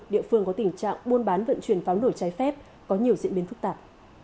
địa phương có tình trạng buôn bán vận chuyển pháo nổi trái phép có nhiều diễn biến phức tạp